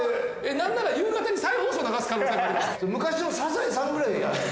なんなら夕方に再放送流す可能性もありますね。